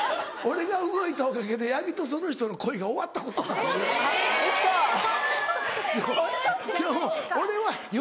俺が動いたおかげで八木とその人の恋が終わったことが。